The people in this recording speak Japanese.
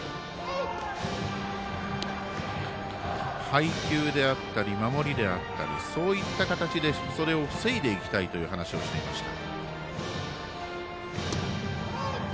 配球であったり守りであったりそういった形でそれを防いでいきたいという話をしていました。